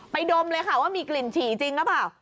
ดมเลยค่ะว่ามีกลิ่นฉี่จริงหรือเปล่า